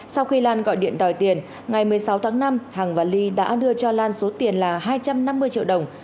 sau khi lan gọi điện đòi tiền ngày một mươi sáu tháng năm hằng và ly đã đưa cho lan số tiền là hai trăm năm mươi triệu đồng